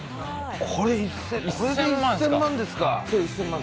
これで１０００万円ですか？